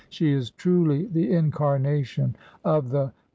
She is truly the incarnation of the mere I.